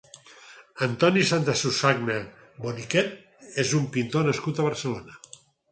Antoni Santasusagna Boniquet és un pintor nascut a Barcelona.